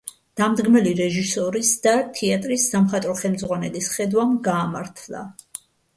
დამდგმელი რეჟისორის და თეატრის სამხატვრო ხელმძღვანელის ხედვამ გაამართლა.